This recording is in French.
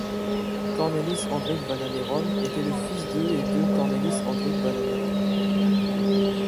Cornelis Hendrik van Amerom était le fils de et de Cornelis Hendrik van Amerom.